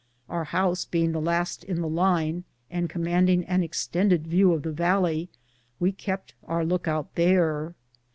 Our house being the last in the line, and commanding an extended view of the valley, we kept our lookout there.